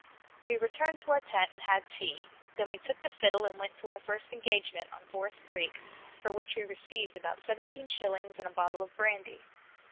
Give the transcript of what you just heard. We returned to our tent and had tea. Then we took the fiddle and went to our first engagement on Forest Creek, for which we received about seventeen shillings and a bottle of brandy.